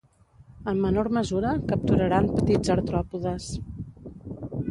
En menor mesura, capturaran petits artròpodes.